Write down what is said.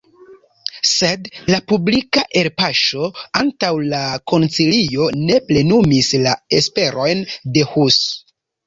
Sed la publika elpaŝo antaŭ la koncilio ne plenumis la esperojn de Hus.